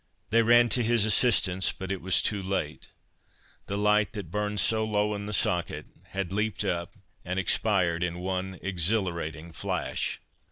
They ran to his assistance, but it was too late. The light that burned so low in the socket, had leaped up, and expired in one exhilarating flash.